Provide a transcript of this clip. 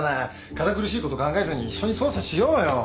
堅苦しいこと考えずに一緒に捜査しようよ。